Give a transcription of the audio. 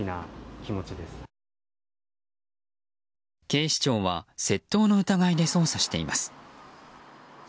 警視庁は窃盗の疑いで捜査しています。